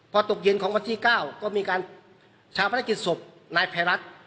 พอตกเย็นของวันที่๙ก็มีการชาวพนักกิจศพนายภัยรัฐ